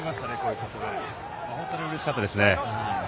本当うれしかったですね。